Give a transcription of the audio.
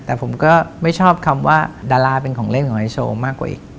แต่ผมก็ไม่ชอบคำว่าดาราเป็นของเล่นของไฮโซมากกว่าอีก